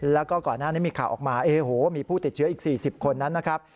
แล้วก็ก่อนหน้านี้มีข่าวออกมาโอ้โหมีผู้ติดเชื้ออีก๔๐คนนั้นนะครับ